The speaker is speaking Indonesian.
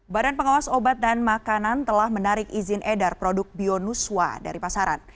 badan pengawas obat dan makanan telah menarik izin edar produk bionuswa dari pasaran